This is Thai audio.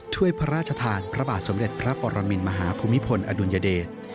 ถ้วยพระราชทานพระบาทสมเด็จพระปรมินมหาภูมิพลอดุลยเดช